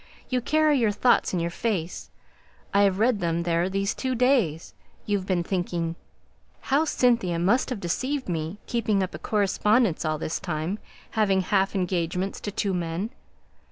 You carry your thoughts in your face I have read them there these two days you've been thinking, 'How Cynthia must have deceived me; keeping up a correspondence all this time having half engagements to two men!'